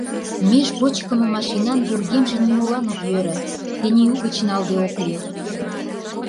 Меж почкымо машинан вургемже нимолан ок йӧрӧ — тений угыч налде ок лий.